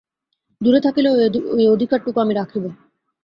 দূরে থাকিলেও এই অধিকারটুকু আমি রাখিব।